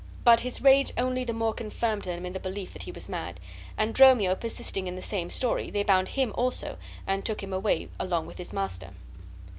But his rage only the more confirmed them in the belief that he was mad; and Dromio persisting in the same story, they bound him also and took him away along with his master.